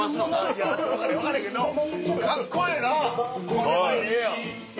これはええやん。